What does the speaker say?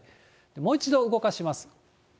もう一度動かします。